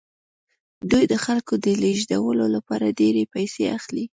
دوی د خلکو د لیږدولو لپاره ډیرې پیسې اخلي